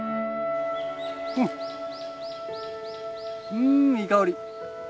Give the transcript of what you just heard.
うんいい香り！